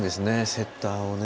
セッターをね。